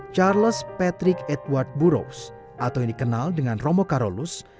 charles patrick edward buros atau yang dikenal dengan romo karolus